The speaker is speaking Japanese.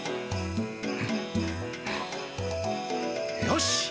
よし！